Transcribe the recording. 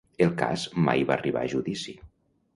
El cas mai va arribar a judici.